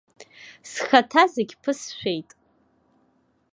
Схаҭа зегь ԥысшәеит!